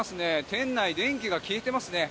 店内、電気が消えていますね。